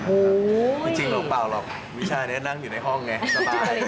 โอ้โหไม่จริงหรอกหรอกวิชานี้ก็นั่งอยู่ในห้องไงสบาย